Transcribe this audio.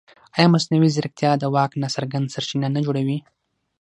ایا مصنوعي ځیرکتیا د واک ناڅرګند سرچینه نه جوړوي؟